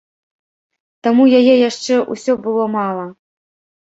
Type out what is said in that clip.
Таму яе яшчэ ўсё было мала.